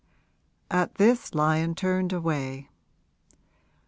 At this Lyon turned away.